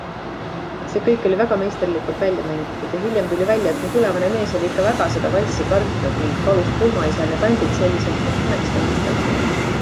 See kõik oli väga meisterlikult välja mängitud ja hiljem tuli välja, et mu tulevane mees oli ikka väga seda valssi kartnud ning palus pulmaisal ja bändil selliselt mind haneks tõmmata.